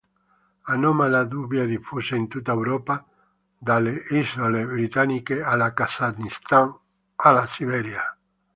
Anomala dubia è diffusa in tutta Europa, dalle isole britanniche al Kazakistan alla Siberia.